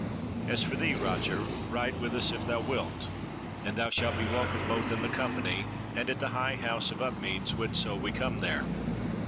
As for thee, Roger, ride with us if thou wilt, and thou shalt be welcome both in the company, and at the High House of Upmeads whenso we come there."